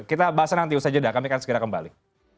kita bahas nanti usai jeda kami akan segera kembali